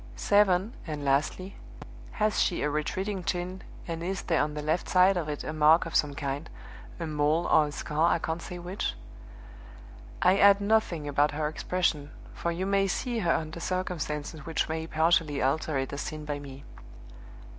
7 (and lastly). Has she a retreating chin, and is there on the left side of it a mark of some kind a mole or a scar, I can't say which? "I add nothing about her expression, for you may see her under circumstances which may partially alter it as seen by me.